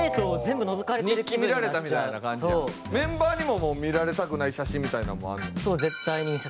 メンバーにも見られたくない写真みたいなのもあるの？